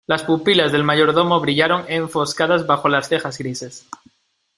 las pupilas del mayordomo brillaron enfoscadas bajo las cejas grises: